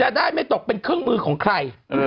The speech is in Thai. ได้ไม่ตกเป็นเครื่องมือของใคร